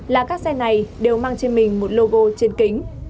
là các xe này đều mang trên mình một logo trên kính